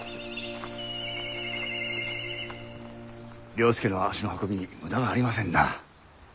了助の足の運びに無駄がありませぬな。